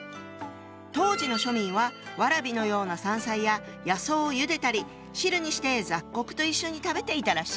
当時の庶民はワラビのような山菜や野草をゆでたり汁にして雑穀と一緒に食べていたらしいの。